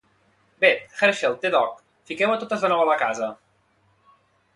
Bé, Hershel, T-Dog, fiqueu a totes de nou a la casa.